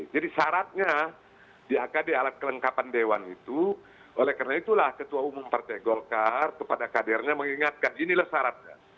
jadi syaratnya di akd alat kelengkapan dewan itu oleh karena itulah ketua umum partai gokar kepada kadernya mengingatkan inilah syaratnya